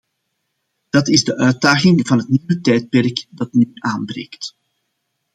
Dat is de uitdaging van het nieuwe tijdperk dat nu aanbreekt.